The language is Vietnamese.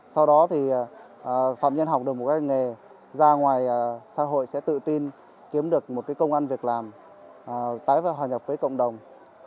sau đó thì phạm nhân học được một cái nghề ra ngoài xã hội sẽ tự tin kiếm được một công an việc làm tái và hòa nhập với cộng đồng